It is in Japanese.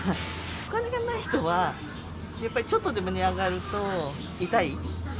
お金がない人は、やっぱりちょっとでも値上がると痛い。